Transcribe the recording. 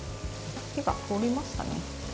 火が通りましたね。